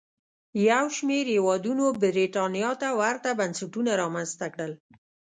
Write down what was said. یو شمېر هېوادونو برېټانیا ته ورته بنسټونه رامنځته کړل.